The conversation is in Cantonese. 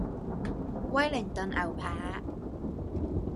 威靈頓牛扒